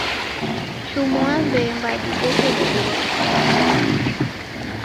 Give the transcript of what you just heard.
Chumua mbemba dideke boboro